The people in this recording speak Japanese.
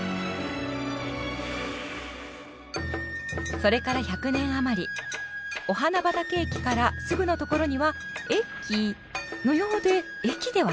それから１００年余り御花畑駅からすぐのところには駅のようで駅ではない。